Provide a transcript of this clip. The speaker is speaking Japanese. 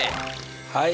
はい。